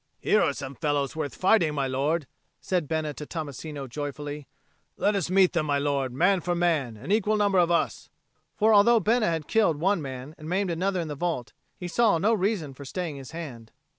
"Here are some fellows worth fighting, my lord," said Bena to Tommasino joyfully. "Let us meet them, my lord, man for man, an equal number of us." For although Bena had killed one man and maimed another in the vault, he saw no reason for staying his hand.